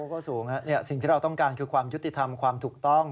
ก็สูงสิ่งที่เราต้องการคือความยุติธรรมความถูกต้อง